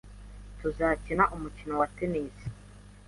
Tuzakina umukino wa tennis.